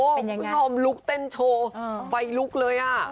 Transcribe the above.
เป็นยังไงทำลุกเต้นโชว์ไฟลุกเลย